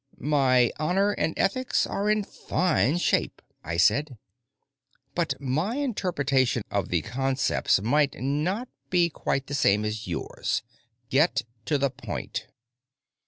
"My honor and ethics are in fine shape," I said, "but my interpretation of the concepts might not be quite the same as yours. Get to the point."